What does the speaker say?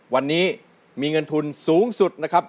วันนี้มีเงินทุนสูงสุดนะครับ